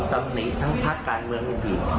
ตำหนิทั้งพักการเมืองอื่น